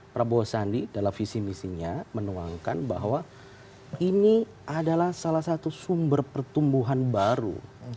prabowo sandi dalam visi misinya menuangkan bahwa ini adalah salah satu sumber pertumbuhan baru